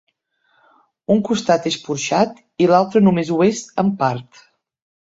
Un costat és porxat i l'altre només ho és en part.